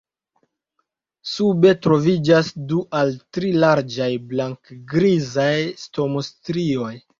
Sube troviĝas du al tri larĝaj blank-grizaj stomo-strioj.